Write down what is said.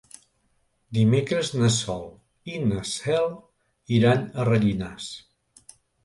Dimecres na Sol i na Cel iran a Rellinars.